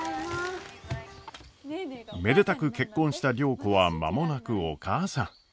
めでたく結婚した良子は間もなくお母さん。